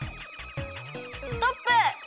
ストップ！